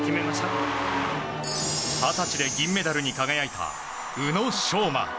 二十歳で銀メダルに輝いた宇野昌磨。